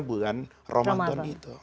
bulan ramadan itu